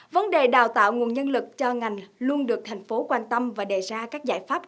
vấn đề đào tạo nguồn nhân lực cho ngành luôn được thành phố quan tâm và đề ra các giải pháp